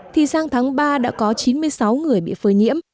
thì sang tháng ba đã có chín mươi sáu người bị phơi nhiễm